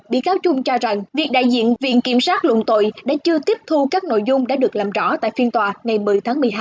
bị cáo trung cho rằng việc đại diện viện kiểm sát luận tội đã chưa tiếp thu các nội dung đã được làm rõ tại phiên tòa ngày một mươi tháng một mươi hai